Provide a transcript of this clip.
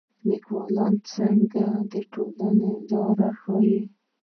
لیکوال څنګه ټولنې ته لار ښيي؟